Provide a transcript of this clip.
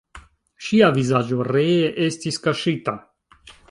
Ŝia vizaĝo ree estis kaŝita.